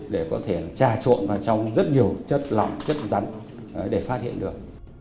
để có thể trà trộn vào trong rất nhiều chất lỏng chất rắn để phát hiện được